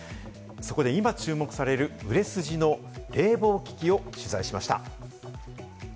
そこで今、注目される売れ筋の冷房機器を取材しました。